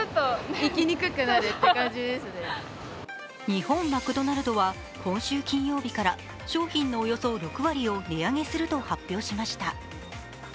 日本マクドナルドは今週金曜日から商品のおよそ６割を値上げすると発表しました。